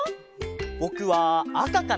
ぼくはあかかな！